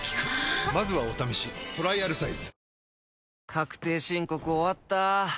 確定申告終わった。